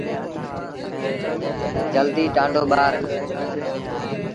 جلدي ٽآنڊو ٻآر۔